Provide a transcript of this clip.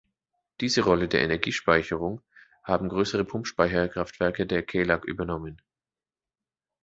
Diese Rolle der Energiespeicherung haben größere Pumpspeicherkraftwerke der Kelag übernommen.